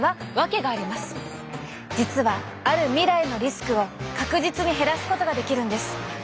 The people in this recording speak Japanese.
実はある未来のリスクを確実に減らすことができるんです。